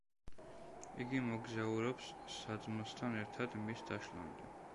იგი მოგზაურობს საძმოსთან ერთად მის დაშლამდე.